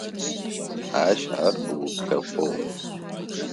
Ащ ар ыуплъэкӏугъ.